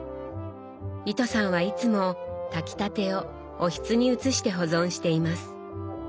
糸さんはいつも炊きたてをおひつに移して保存しています。